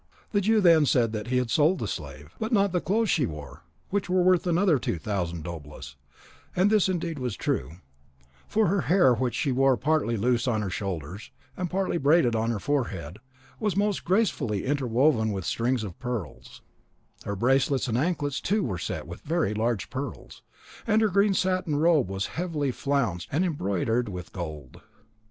The Jew then said that he had sold the slave, but not the clothes she wore, which were worth another two thousand doblas; and this indeed was true, for her hair which she wore partly loose on her shoulders, and partly braided on her forehead, was most gracefully interwoven with strings of pearls; her bracelets and anklets too were set with very large pearls, and her green satin robe was heavily flounced and embroidered with gold.